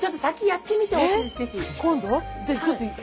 やってみてほしい。